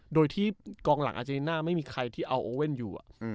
โดยที่กองหลังอาเจริน่าไม่มีใครที่เอาโอเว่นอยู่